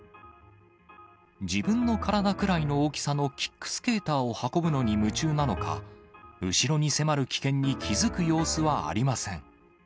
自分の体くらいの大きさのキックスケーターを運ぶのに夢中なのか、後ろに迫る危険に気付く様子はありません。